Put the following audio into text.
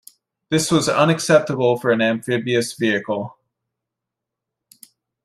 This was unacceptable for an amphibious vehicle.